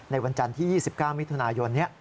วันจันทร์ที่๒๙มิถุนายน